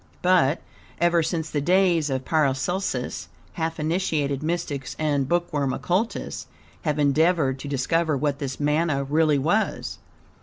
But, ever since the days of Paracelsus, half initiated mystics and bookworm occultists, have endeavored to discover what this manna really was.